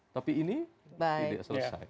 tapi ini selesai